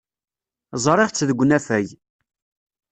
Ẓriɣ-tt deg unafag.